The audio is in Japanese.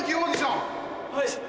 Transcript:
はい。